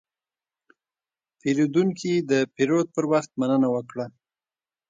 پیرودونکی د پیرود پر وخت مننه وکړه.